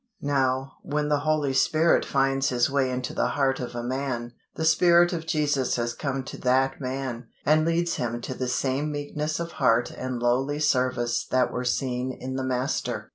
Now, when the Holy Spirit finds His way into the heart of a man, the Spirit of Jesus has come to that man, and leads him to the same meekness of heart and lowly service that were seen in the Master.